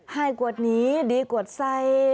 ให้กรวดนี้ดีกรวดใส